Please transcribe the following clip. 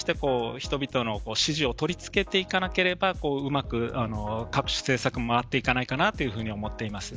それに対して人々の支持を取り付けていかなければうまく各種政策は回っていかないかなと思います。